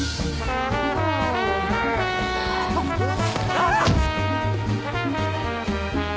あっ。